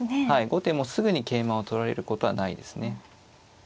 後手もすぐに桂馬を取られることはないですね。